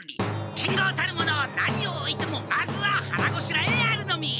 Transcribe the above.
剣豪たるもの何をおいてもまずははらごしらえあるのみ！